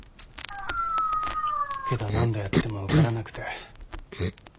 けど何度やっても受からなくて。